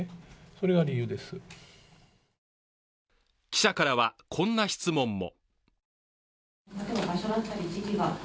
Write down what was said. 記者からはこんな質問も。